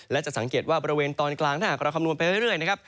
และจะสังเกตว่าบริเวณตอนกลางถ้าหากเราคำนวณไปเรื่อยนะครับ